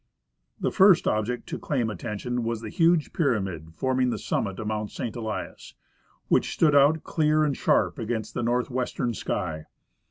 The first object to claim attention was the huge pyramid form ing the summit of Mount St. Elias, which stood out clear and sharp against the northwestern sky.